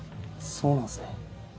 そうなんすね。